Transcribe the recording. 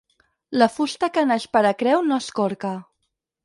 La fusta que naix per a creu no es corca.